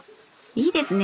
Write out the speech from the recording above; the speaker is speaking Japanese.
いいですね！